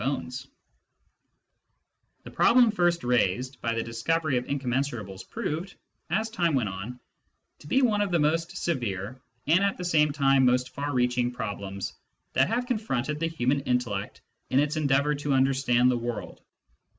Digitized by Google 1 64 SCIENTIFIC METHOD IN PHILOSOPHY The problem first raised by the discovery of incom mensurables proved, as time went on, to be one of the most severe and at the same time most far reaching problems that have confronted the human intellect in its endeavour to understand the world.